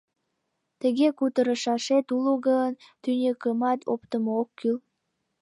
Тыге кутырышашет уло гын, тӱньыкымат оптымо ок кӱл!